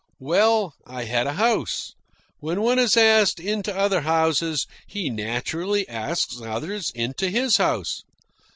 Well, I had a house. When one is asked into other houses, he naturally asks others into his house.